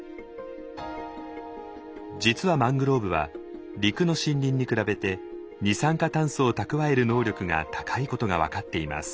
実はマングローブは陸の森林に比べて二酸化炭素を蓄える能力が高いことが分かっています。